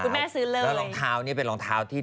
คุณแม่ซื้อเลย